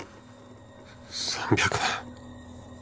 ３００万。